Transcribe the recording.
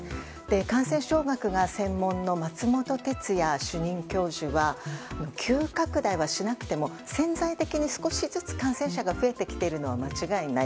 感染症学がご専門の松本哲哉主任教授は急拡大はしなくても潜在的に少しずつ感染者が増えてきているのは間違いない。